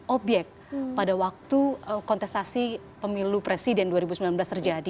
obyek pada waktu kontestasi pemilu presiden dua ribu sembilan belas terjadi